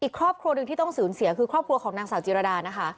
อีกครอบครัวหนึ่งที่ต้องสูญเสียคือครอบครัวของนางสาวจิรดานะคะ